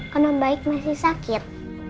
karena om baik masih sakit